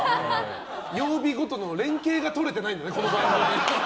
曜日ごとの連携が取れてないんだね、この番組。